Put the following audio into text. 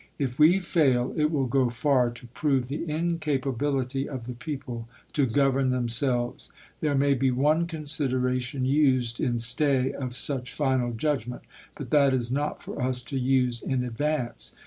If we fail, it will go far to prove the incapability of the people to govern themselves. There may be one coflsideration used in stay of such final judgment, but that is not for us to use in advance.